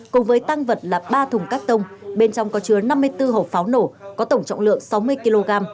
cùng với tăng vật là ba thùng cắt tông bên trong có chứa năm mươi bốn hộp pháo nổ có tổng trọng lượng sáu mươi kg